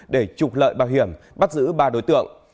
để trục lợi bảo hiểm bắt giữ ba đối tượng